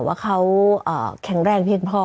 ว่าเขาแข็งแรงเพียงพอ